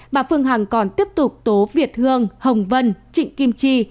bà phương hằng còn tiếp tục tố việt hương hồng vân trịnh kim chi